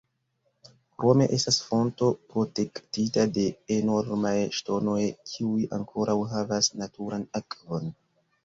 Krome estas fonto protektita de enormaj ŝtonoj, kiuj ankoraŭ havas naturan akvon.